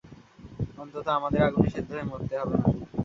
অন্তত আমাদের আগুনে সেদ্ধ হয়ে মরতে হবে না!